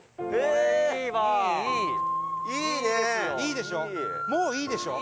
伊達：いいでしょ。